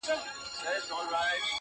زما خو ټوله كيسه هر چاته معلومه ـ